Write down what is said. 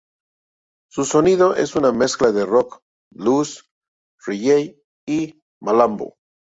Su sonido es una mezcla de rock, blues, reggae y malambo.